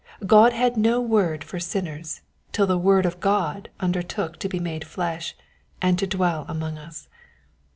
God had no word for sinners till the Word of God undertook to be made flesh, and to dwell among us.